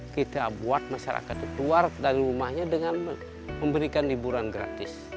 kita buat masyarakat keluar dari rumahnya dengan memberikan liburan gratis